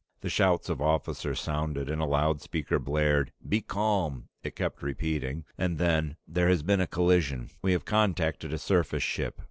The shouts of officers sounded and a loudspeaker blared. "Be calm," it kept repeating, and then, "There has been a collision. We have contacted a surface ship.